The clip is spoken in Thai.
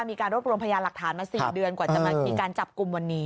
มีการรวบรวมพยานหลักฐานมา๔เดือนกว่าจะมามีการจับกลุ่มวันนี้